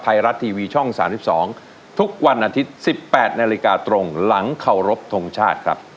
ไทยรัฐทีวีช่อง๓๒ทุกวันอาทิตย์๑๘นาฬิกาตรงหลังเคารพทงชาติครับ